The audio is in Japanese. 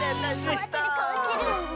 かわってるかわってる！